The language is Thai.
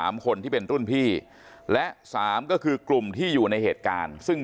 คนที่เป็นรุ่นพี่และสามก็คือกลุ่มที่อยู่ในเหตุการณ์ซึ่ง